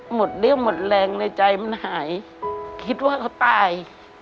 เรี่ยวหมดแรงในใจมันหายคิดว่าเขาตาย